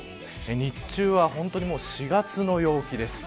日中は４月の陽気です。